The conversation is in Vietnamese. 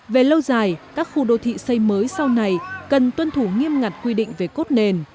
về lâu dài các khu đô thị xây mới sau này cần tuân thủ nghiêm ngặt quy định về cốt nền